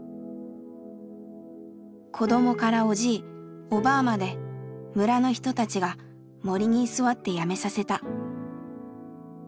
子どもからおじいおばあまで村の人たちが森に居座ってやめさせた。